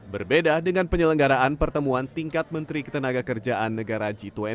berbeda dengan penyelenggaraan pertemuan tingkat menteri ketenaga kerjaan negara g dua puluh